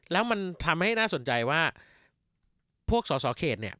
แล้วมันทำให้น่าสนใจว่าพวกสอสอเขตเนี่ย